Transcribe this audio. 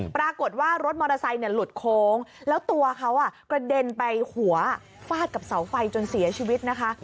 ปรากฏว่ารถมอเตอร์ไซค์หลุดโค้งแล้วตัวเขากระเด็นไปหัวฟาดกับเสาไฟจนเสียชีวิตนะคะ